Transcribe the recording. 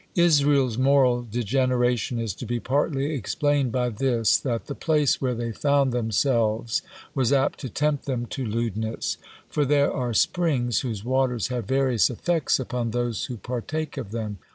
Israel's moral degeneration is to be partly explained by this, that the place where they found themselves was apt to tempt them to lewdness. For there are springs whose waters have various effects upon those who partake of them.